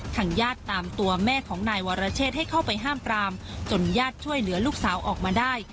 ทางญาติตามตัวแม่ของนายวรเชษให้เข้าไปห้ามปรามจนญาติช่วยเหลือลูกสาวออกมาได้